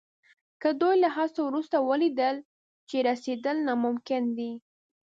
که دوی له هڅو وروسته ولیدل چې رسېدل ناممکن دي.